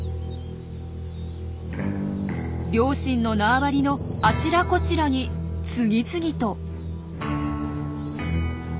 両親の縄張りのあちらこちらに次々と。